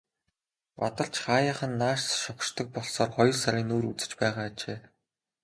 Бадарч хааяахан нааш шогшдог болсоор хоёр сарын нүүр үзэж байгаа ажээ.